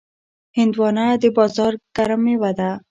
هندوانه د بازار ګرم میوه ده.